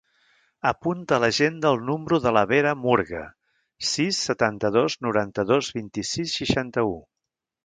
Apunta a l'agenda el número de la Vera Murga: sis, setanta-dos, noranta-dos, vint-i-sis, seixanta-u.